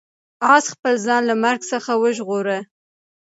آس خپل ځان له مرګ څخه وژغوره.